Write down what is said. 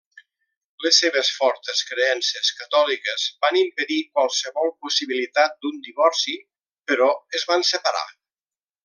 Les seves fortes creences catòliques van impedir qualsevol possibilitat d'un divorci, però es van separar.